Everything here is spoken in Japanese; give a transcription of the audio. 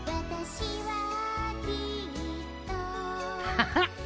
ハハッ。